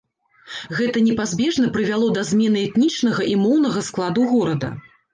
Гэта непазбежна прывяло да змены этнічнага і моўнага складу горада.